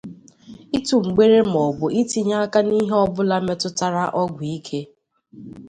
ịtụ mgbere maọbụ itinye aka n'ihe ọbụla metụtara ọgwụ ike